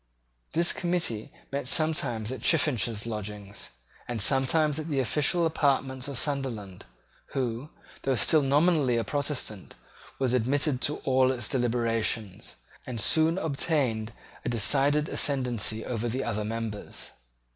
This committee met sometimes at Chiffinch's lodgings, and sometimes at the official apartments of Sunderland, who, though still nominally a Protestant, was admitted to all its deliberations, and soon obtained a decided ascendency over the other members.